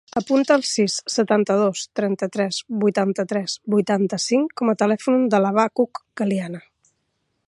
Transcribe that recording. Apunta el sis, setanta-dos, trenta-tres, vuitanta-tres, vuitanta-cinc com a telèfon de l'Habacuc Galiana.